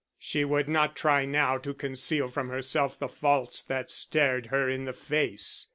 She would not try now to conceal from herself the faults that stared her in the face.